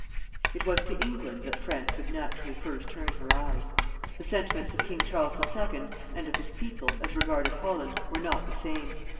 It was to England that France would naturally first turn her eyes. The sentiments of King Charles II. and of his people, as regarded Holland, were not the same.